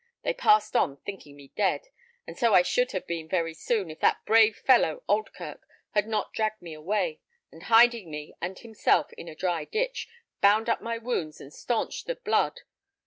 They passed on, thinking me dead; and so I should have been very soon if that brave fellow, Oldkirk, had not dragged me away, and hiding me and himself in a dry ditch, bound up my wounds and stanched the blood.